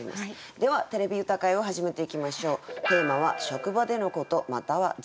では「てれび歌会」を始めていきましょう。